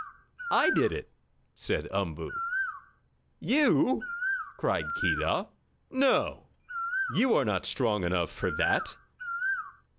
"I did it," said Umboo. "You?" cried Keedah. "No! You are not strong enough for that!"